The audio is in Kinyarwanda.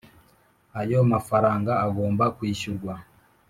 ayo mafaranga agomba kwishyurwa